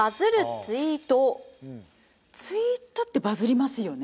ツイートってバズりますよね。